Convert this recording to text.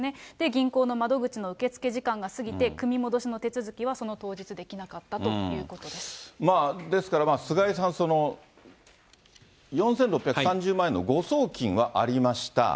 銀行の窓口の受け付け時間が過ぎて、組み戻しの手続きはその当日ですから、菅井さん、４６３０万円の誤送金はありました。